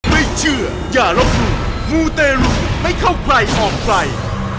ไม่เชื่ออย่ารบหลุมมูเตรุให้เข้าใครออกไกล